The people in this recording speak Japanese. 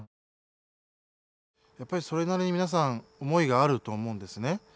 やっぱりそれなりに皆さん思いがあると思うんですね。